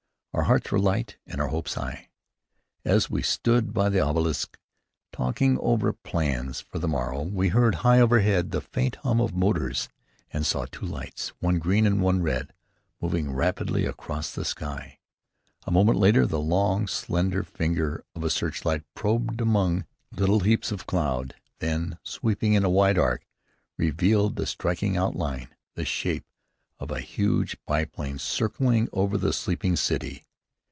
Our hearts were light and our hopes high. As we stood by the obelisk, talking over plans for the morrow, we heard, high overhead, the faint hum of motors, and saw two lights, one green, one red, moving rapidly across the sky. A moment later the long, slender finger of a searchlight probed among little heaps of cloud, then, sweeping in a wide arc, revealed in striking outline the shape of a huge biplane circling over the sleeping city.